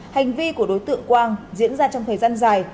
hành vi của đối tượng quang diễn ra trong thời gian dài